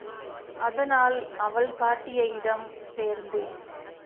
அதனால் அவள் காட்டிய இடம் சேர்ந்தேன்.